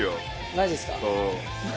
マジっすか。